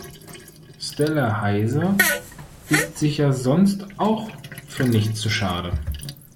Stella Heise ist sich ja sonst auch für nichts zu schade.